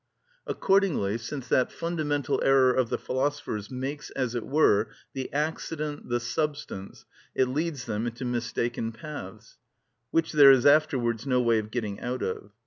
Accordingly, since that fundamental error of the philosophers makes, as it were, the accident the substance, it leads them into mistaken paths, which there is afterwards no way of getting out of.